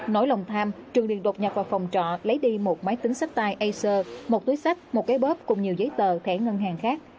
nói lòng tham trường điền đột nhập vào phòng trọ lấy đi một máy tính sách tài acer một túi sách một cái bóp cùng nhiều giấy tờ thẻ ngân hàng khác